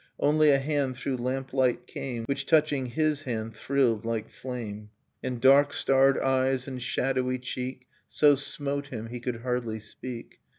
Only, a hand through lamplight came Which touching his hand thrilled like flame ; And dark starred eyes and shadowy cheek So smote him he could hardly speak.